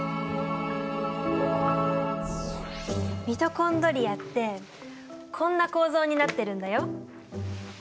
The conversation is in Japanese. ミトコンドリアってこんな構造になってるんだよ。